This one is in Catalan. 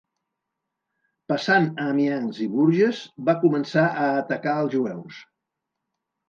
Passant a Amiens i Bourges, va començar a atacar els jueus.